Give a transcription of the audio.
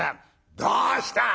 「どうした？